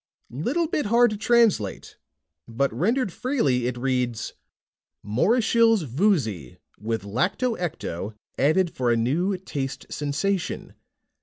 "Little bit hard to translate. But rendered freely, it reads: MORISHILLE'S VOOZY, WITH LACTO ECTO ADDED FOR A NEW TASTE SENSATION.